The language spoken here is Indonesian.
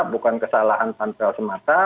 bukan kesalahan pantel semata